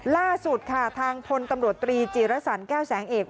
ล่าสุดค่ะทางพลตำรวจตรีจีรสรรแก้วแสงเอก